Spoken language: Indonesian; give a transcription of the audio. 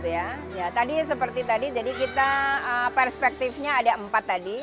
ya tadi seperti tadi jadi kita perspektifnya ada empat tadi